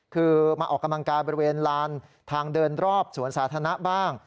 คือมาออกกำลังกายบริเวณลานทางเดินรอบสวนสาธารณะบ้าง